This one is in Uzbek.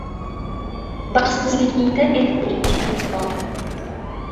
Baxtsizligingda ezgulikka umid bog‘la.